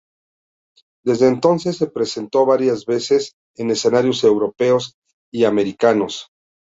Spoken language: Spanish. Desde entonces se presentó varias veces en escenarios europeos y americanos.